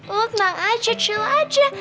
lo tenang aja chill aja